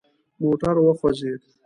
موټر وخوځید.